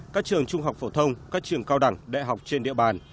các trường trung học phổ thông các trường cao đẳng đại học trên địa bàn